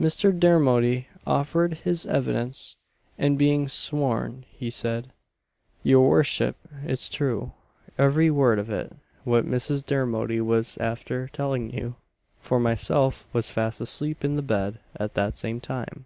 Mr. Dermody offered his evidence; and, being sworn, he said, "Your wortchip, it's true, every word of it, what Mrs. Dermody was after telling you, for myself was fast asleep in the bed at that same time."